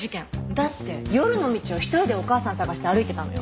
だって夜の道を一人でお母さん捜して歩いてたのよ？